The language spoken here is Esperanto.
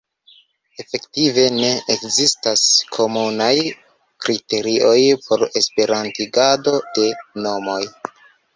Efektive ne ekzistas komunaj kriterioj por esperantigado de nomoj.